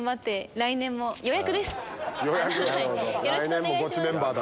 来年もゴチメンバーだと。